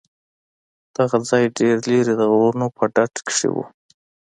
دغه ځاى ډېر لرې د غرونو په ډډه کښې و.